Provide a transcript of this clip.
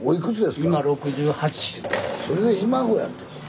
それでひ孫やて。